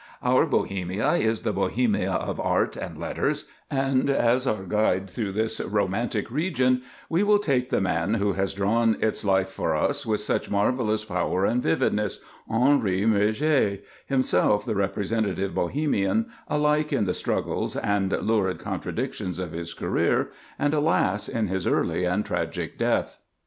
Our Bohemia is the Bohemia of art and letters; and, as our guide through this romantic region, we will take the man who has drawn its life for us with such marvellous power and vividness—Henri Murger, himself the representative Bohemian, alike in the struggles and lurid contradictions of his career, and alas! in his early and tragic death.